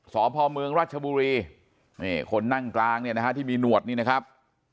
สพเมืองรัชบุรีนี่คนนั่งกลางเนี่ยนะฮะที่มีหนวดนี่นะครับ